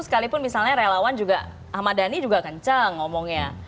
sekalipun misalnya relawan juga ahmad dhani juga kencang ngomongnya